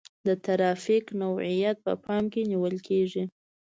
د ترافیک نوعیت په پام کې نیول کیږي